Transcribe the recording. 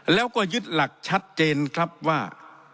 แล้วก็ยึดหลักชัดเจนครับว่า